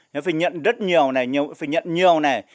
nếu phải nhận rất nhiều này phải nhận nhiều này